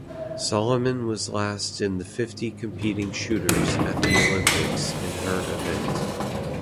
Solomon was last in the fifty competing shooters at the Olympics in her event.